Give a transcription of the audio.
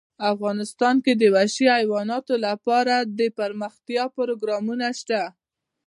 افغانستان کې د وحشي حیوانات لپاره دپرمختیا پروګرامونه شته.